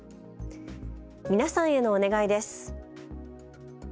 皆さんへのお願いです。